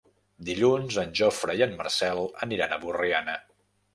Dilluns en Jofre i en Marcel aniran a Borriana.